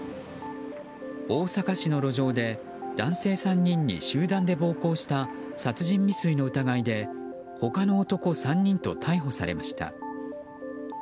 大阪市の路上で男性３人に集団で暴行した殺人未遂の疑いで他の男３人と逮捕されました。